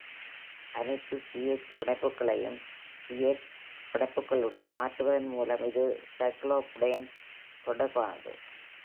அனைத்து C-H பிணைப்புகளையும் C-F பிணைப்புகளுடன் மாற்றுவதன் மூலம் இது சைக்ளோபுடேன் தொடர்பானது.